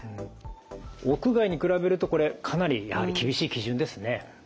屋外に比べるとこれかなりやはり厳しい基準ですね。